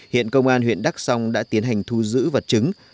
hiện công an huyện đắk song đã tiến hành thu giữ vật chứng